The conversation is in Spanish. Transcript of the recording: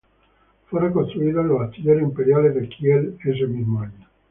Fue reconstruido en los astilleros imperiales de Kiel ese mismo año.